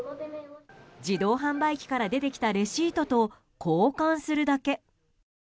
自動販売機から出てきたレシートと交換するだけ。